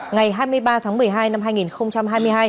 ngày hai mươi ba tháng một mươi hai năm hai nghìn hai mươi hai